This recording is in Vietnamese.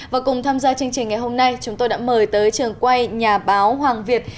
và cùng tham gia chương trình ngày hôm nay chúng tôi đã mời tới trường quay nhà báo hoàng việt